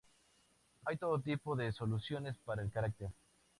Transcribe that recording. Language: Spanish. Hay todo tipo de soluciones para el cáncer.